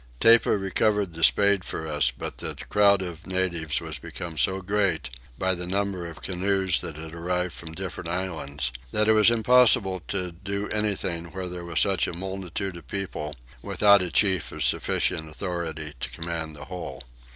Tepa recovered the spade for us, but the crowd of natives was become so great, by the number of canoes that had arrived from different islands, that it was impossible to do anything where there was such a multitude of people without a chief of sufficient authority to command the whole.